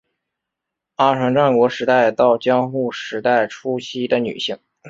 阿船战国时代到江户时代初期的女性。